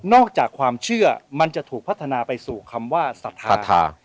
จากความเชื่อมันจะถูกพัฒนาไปสู่คำว่าศรัทธา